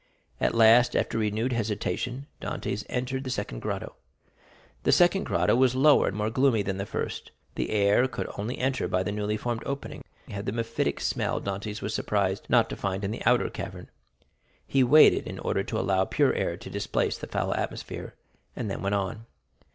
At last, after renewed hesitation, Dantès entered the second grotto. The second grotto was lower and more gloomy than the first; the air that could only enter by the newly formed opening had the mephitic smell Dantès was surprised not to find in the outer cavern. He waited in order to allow pure air to displace the foul atmosphere, and then went on.